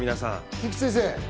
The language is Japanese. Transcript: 菊地先生？